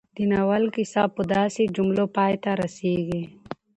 د ناول کيسه په داسې جملو پای ته رسېږي